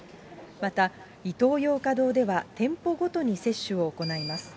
また、イトーヨーカドーでは、店舗ごとに接種を行います。